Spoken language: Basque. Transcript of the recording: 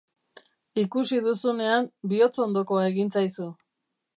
Ikusi duzunean, bihotzondokoa egin zaizu.